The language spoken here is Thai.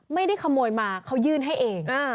ไม่ได้ขโมยมาเขายื่นให้เอง